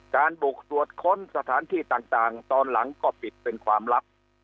การบุกตรวจค้นสถานที่ต่างตอนหลังก็ปิดเป็นความลับ